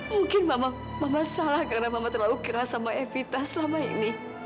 mungkin mama salah karena mama terlalu keras sama evita selama ini